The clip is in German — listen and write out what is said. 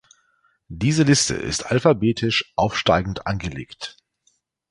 Diese Liste ist alphabetisch aufsteigend angelegt.